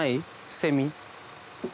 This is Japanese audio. セミ。